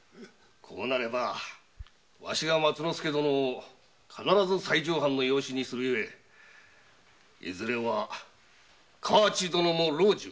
さればわしが松之助殿を必ず西条藩の養子にするゆえいずれは河内殿も老中。